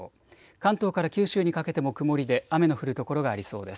関東から九州にかけても曇りで雨の降る所がありそうです。